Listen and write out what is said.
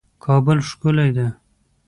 کابل ښکلی ده